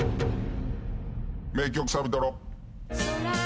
名曲サビトロ。